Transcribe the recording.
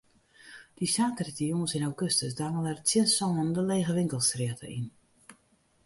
Dy saterdeitejûns yn augustus dangele er tsjin sânen de lege winkelstrjitte yn.